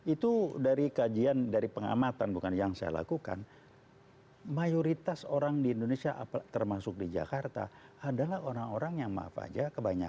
itu dari kajian dari pengamatan bukan yang saya lakukan mayoritas orang di indonesia termasuk di jakarta adalah orang orang yang maaf aja kebanyakan